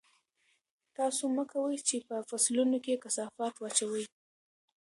تاسو مه کوئ چې په فصلونو کې کثافات واچوئ.